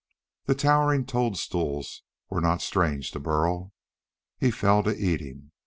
The towering toadstools were not strange to Burl. He fell to eating.